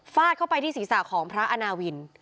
เข้าไปที่ศีรษะของพระอาณาวิน